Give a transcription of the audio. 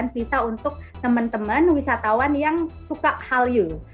visa untuk teman teman wisatawan yang suka halyu